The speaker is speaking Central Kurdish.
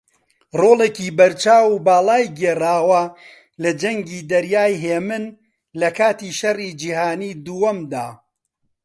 ڕۆڵێکی بەرچاو و باڵای گێڕاوە لە جەنگی دەریای ھێمن لەکاتی شەڕی جیهانی دووەمدا